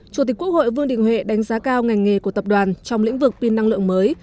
chủ tịch quốc hội vương đình huệ đánh giá cao ngành nghề của tập đoàn trong lĩnh vực pin năng lượng mới